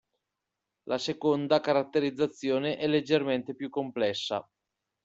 La seconda caratterizzazione è leggermente più complessa.